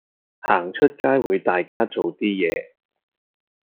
行出街會大家做啲嘢